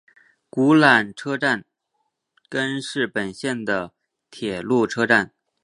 古濑车站根室本线的铁路车站。